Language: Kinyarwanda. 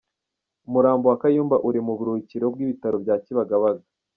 Umurambo wa Kayumba uri mu buruhukiro bw’ibitaro bya Kibagabaga.